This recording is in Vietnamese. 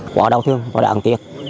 quả đau thương quả đáng tiếc